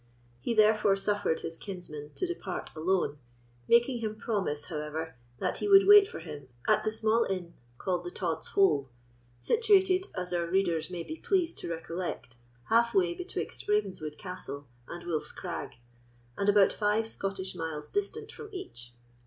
He therefore suffered his kinsman to depart alone, making him promise, however, that he would wait for him at the small inn called the Tod's Hole, situated, as our readers may be pleased to recollect, half way betwixt Ravenswood Castle and Wolf's Crag, and about five Scottish miles distant from each.